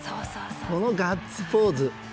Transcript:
このガッツポーズ。